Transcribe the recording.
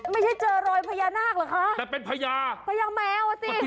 ไม่ใช่เจอรอยพญานาคเหรอคะแต่เป็นพญาพญาแมวอ่ะสิ